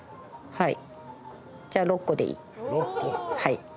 はい。